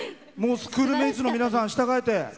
スクールメイツの皆さん従えて。